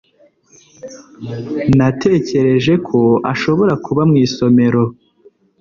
Natekereje ko ashobora kuba mu isomero